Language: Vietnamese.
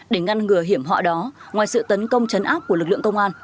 để ngăn ngừa hiểm họa đó ngoài sự tấn công chấn áp của lực lượng công an